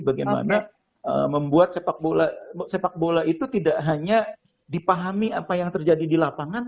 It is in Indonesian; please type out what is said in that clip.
bagaimana membuat sepak bola itu tidak hanya dipahami apa yang terjadi di lapangan